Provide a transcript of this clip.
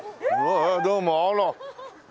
どうもあら！